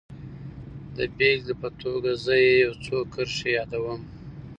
د بېلګې په توګه زه يې يو څو کرښې يادوم.